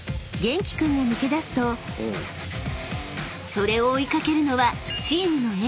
げんき君が抜け出すとそれを追い掛けるのはチームの］